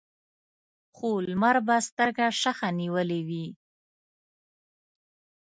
خو لمر به سترګه شخه نیولې وي.